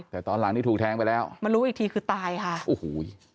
แต่ตอนหลังนี่ถูกแทงไปแล้วมารู้อีกทีคือตายค่ะโอ้โห